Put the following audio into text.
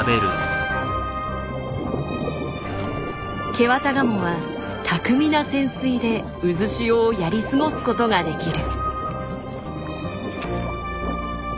ケワタガモは巧みな潜水で渦潮をやり過ごすことができる。